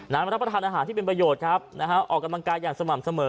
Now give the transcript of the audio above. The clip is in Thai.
มารับประทานอาหารที่เป็นประโยชน์ครับนะฮะออกกำลังกายอย่างสม่ำเสมอ